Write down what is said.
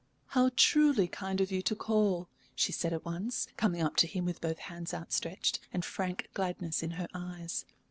"How truly kind of you to call!" she said at once, coming up to him with both hands outstretched and frank gladness in her eyes.